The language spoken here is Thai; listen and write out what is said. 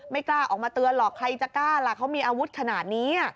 กล้าออกมาเตือนหรอกใครจะกล้าล่ะเขามีอาวุธขนาดนี้